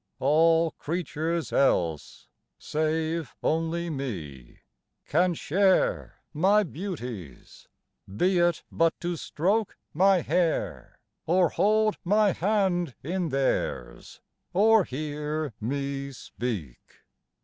All creatures else, save only me, can share My beauties, be it but to stroke my hair, Or hold my hand in theirs, or hear me speak.